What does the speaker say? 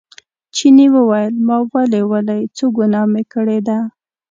چیني وویل ما ولې ولئ څه ګناه مې کړې ده.